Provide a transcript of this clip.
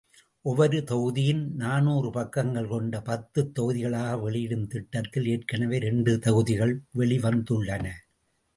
ஒவ்வொரு தொகுதியும் நாநூறு பக்கங்கள் கொண்ட பத்து தொகுதிகளாக வெளியிடும் திட்டத்தில் ஏற்கனவே இரண்டு தொகுதிகள் வெளிவந்துள்ளன.